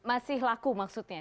masih laku maksudnya